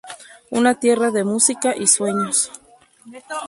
Una tierra de música y sueños.